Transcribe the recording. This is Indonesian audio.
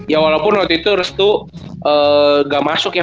ya walaupun waktu itu restu gak masuk ya